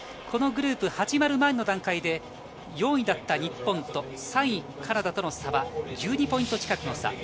このグループが始まる前の段階で４位だった日本と３位カナダとの差は１２ポイント近くの差。